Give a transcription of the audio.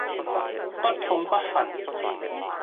不痛不癢